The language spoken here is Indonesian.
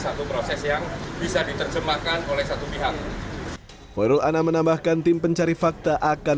satu proses yang bisa diterjemahkan oleh satu pihak hoyrul anam menambahkan tim pencari fakta akan